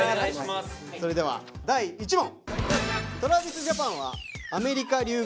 それでは第１問。